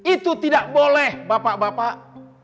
itu tidak boleh bapak bapak